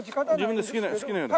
自分で好きなように？